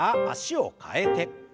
脚を替えて。